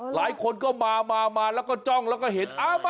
หลายคนก็มามาแล้วก็จ้องแล้วก็เห็น